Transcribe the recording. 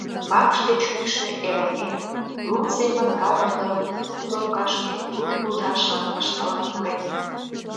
Вакш деч кӱшнӧ Эреҥер, лу семын кадыргылын, куп лоҥгашке лу кужашлам ыштылын пурен.